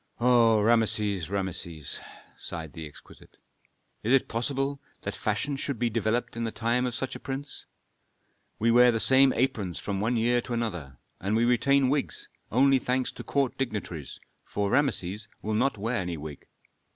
"O Rameses, Rameses!" sighed the exquisite. "Is it possible that fashion should be developed in the time of such a prince? We wear the same aprons from one year to another, and we retain wigs, only thanks to court dignitaries, for Rameses will not wear any wig.